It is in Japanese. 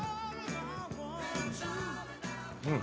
うん！